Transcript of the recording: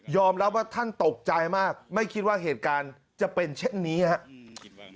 รับว่าท่านตกใจมากไม่คิดว่าเหตุการณ์จะเป็นเช่นนี้ครับ